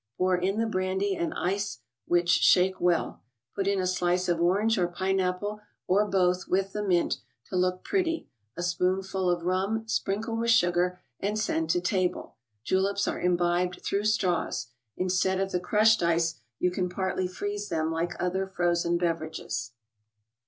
Pour in the brandy and ice, which shake well. Put in a slice of orange or pine apple, or both, with the mint, to look pretty, a spoonful of rum, sprinkle with sugar and send to table. Juleps are imbibed through straws. Instead of the crushed ice, you can partly freeze them like other frozen beverages.